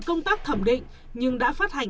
công tác thẩm định nhưng đã phát hành